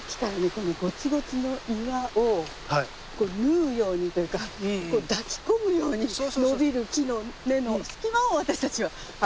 このゴツゴツの岩を縫うようにというか抱き込むように伸びる木の根の隙間を私たちは歩いてますね。